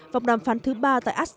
vọc đàm phán thứ ba tại astana